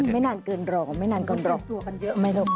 แบบตั้งตัวกันเยอะไหมอยู่